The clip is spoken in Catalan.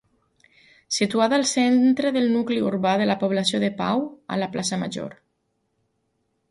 Situada al centre del nucli urbà de la població de Pau, a la plaça Major.